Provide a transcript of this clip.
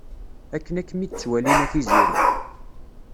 Akken ad kem-id-ttwalin a Tiziri.